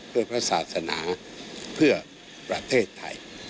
เพื่อพระศาสนาเพื่อประเทศไทย